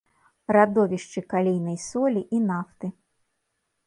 Радовішчы калійнай солі і нафты.